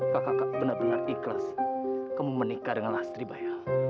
kak kaka benar benar ikhlas kamu menikah dengan lastri bay